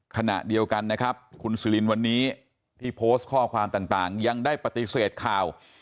ขณะเดียวกันนะครับคุณสุรินวันนี้ที่โพสต์ข้อความต่างยังได้ปฏิเสธข่าว